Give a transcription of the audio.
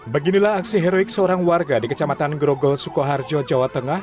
beginilah aksi heroik seorang warga di kecamatan grogol sukoharjo jawa tengah